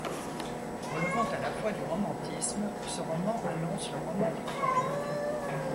Relevant à la fois du romantisme, ce roman annonce le roman victorien.